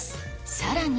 さらに。